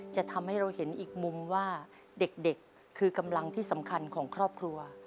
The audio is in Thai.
จะทำให้เราเห็นอีกมุมว่าเด็กคือกำลังที่สำคัญของครอบครัว